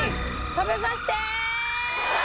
食べさせてえ！